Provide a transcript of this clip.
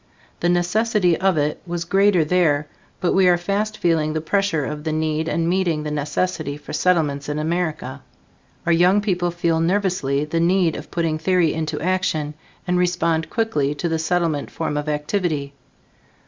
The necessity of it was greater there, but we are fast feeling the pressure of the need and meeting the necessity for Settlements in America. Our young people feel nervously the need of putting theory into action, and respond quickly to the Settlement form of activity.